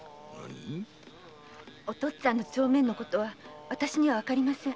お父っつぁんの帳面のことはわたしにはわかりません。